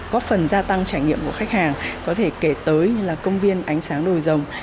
có phần gia tăng trải nghiệm của khách hàng có thể kể tới như là công viên ánh sáng đồi rồng